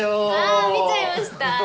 あ見ちゃいました？